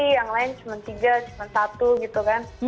yang lain cuma tiga cuma satu gitu kan